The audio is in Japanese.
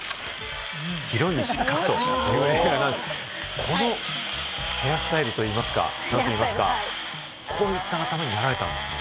『ヒロイン失格』という映画なんですが、このヘアスタイルといいますか、何といいますか、こういった頭になられたんですね。